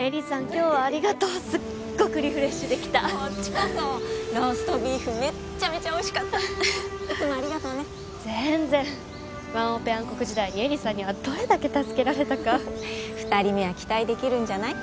今日はありがとうすっごくリフレッシュできたこっちこそローストビーフめっちゃめちゃおいしかったいつもありがとうね全然ワンオペ暗黒時代に絵里さんにはどれだけ助けられたか二人目は期待できるんじゃない？